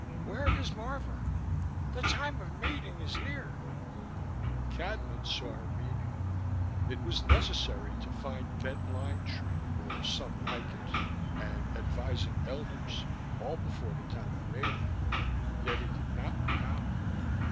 "Where is Marvor? The time of mating is near." Cadnan saw her meaning. It was necessary to find Bent Line Tree, or some like it, and advising elders, all before the time of mating. Yet he did not know how.